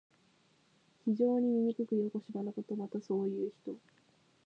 非常にみにくくよこしまなこと。また、そういう人。